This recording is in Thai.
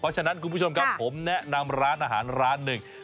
เพราะฉะนั้นคุณผู้ชมครับผมแนะนำร้านอาหารร้านหนึ่ง